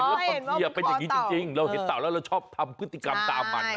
เป็นอย่างนี้จริงเราเห็นต่าวแล้วเราชอบทำพฤติกรรมตามมัน